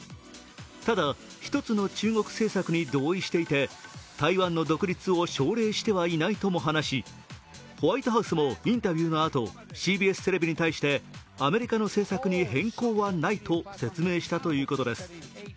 ただ、一つの中国政策に同意していて、台湾の独立を奨励してはいないとも話しホワイトハウスもインタビューのあと、ＣＢＳテレビに対してアメリカの政策に変更はないと説明したということです。